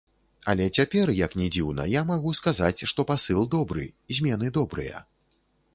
Але цяпер, як ні дзіўна, я магу сказаць, што пасыл добры, змены добрыя.